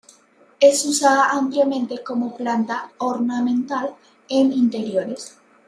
Es usada ampliamente como planta ornamental en interiores.